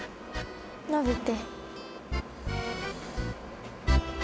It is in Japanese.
伸びて。